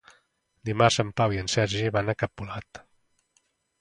Dimarts en Pau i en Sergi van a Capolat.